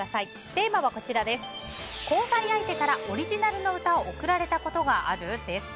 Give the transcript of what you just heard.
テーマは交際相手からオリジナルの歌を贈られたことがある？です。